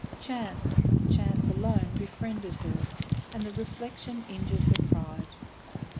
Chance, chance alone befriended her, and the reflection injured her pride.